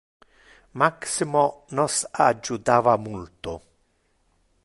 Maximo nos adjutava multo.